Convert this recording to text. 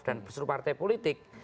dan seluruh partai politik